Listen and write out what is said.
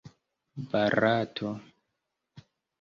barato